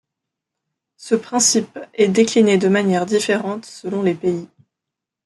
Ce principe est décliné de manière différente selon les pays.